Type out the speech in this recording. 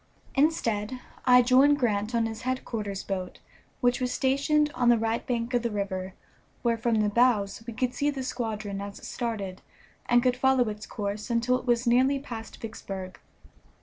Instead, I joined Grant on his headquarters boat, which was stationed on the right bank of the river, where from the bows we could see the squadron as it started, and could follow its course until it was nearly past Vicksburg.